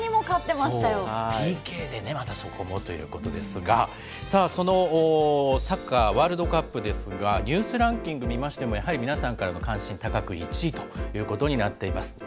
ＰＫでね、またそこもということですが、さあそのサッカーワールドカップですが、ニュースランキング見ましても、やはり皆さんからの関心高く、１位ということになっています。